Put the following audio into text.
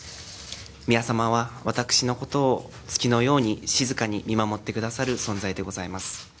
宮さまは、私のことを月のように静かに見守ってくださる存在でございます。